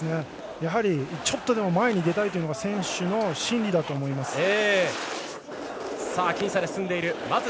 やはり、ちょっとでも前に出たいというのが選手の心理だと思います。